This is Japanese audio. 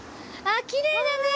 あっきれいだね！